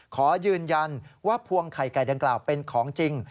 ขอยืนยันว่าพวงไข่ไก่ดังกล่าวเป็นของจริง